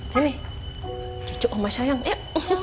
sini cucu oma sayang yuk